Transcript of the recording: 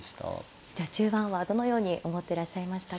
序中盤はどのように思っていらっしゃいましたか。